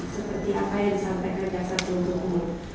seperti apa yang disampaikan jaksa penuntut umum